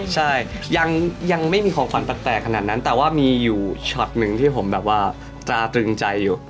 ใช่ยังไม่มีของขวัญแปลกขนาดนั้นแต่ว่ามีอยู่ช็อตหนึ่งที่ผมแบบว่าตราตรึงใจอยู่